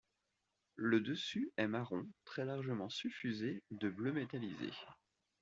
Le dessus est marron très largement suffusé de bleu métallisé.